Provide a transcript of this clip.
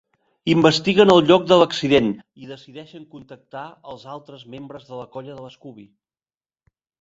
Investiguen el lloc de l'accident i decideixen contactar els altres membre de la colla de l'Scooby.